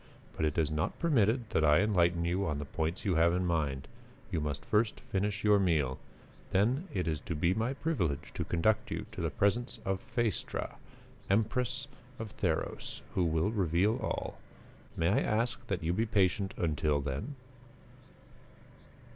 But it is not permitted that I enlighten you on the points you have in mind. You must first finish your meal. Then it is to be my privilege to conduct you to the presence of Phaestra, Empress of Theros, who will reveal all. May I ask that you be patient until then?"